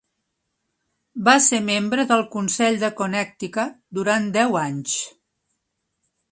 Va ser membre del Consell de Connecticut durant deu anys.